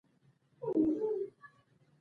زه له خپل هيواد سره مینه لرم.